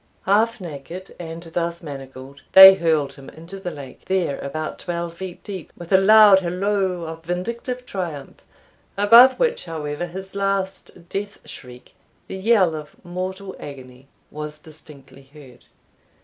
Half naked, and thus manacled, they hurled him into the lake, there about twelve feet deep, with a loud halloo of vindictive triumph, above which, however, his last death shriek, the yell of mortal agony, was distinctly heard.